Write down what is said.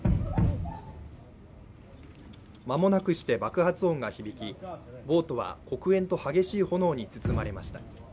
間もなくして爆発音が響き、ボートは黒煙と激しい炎に包まれました。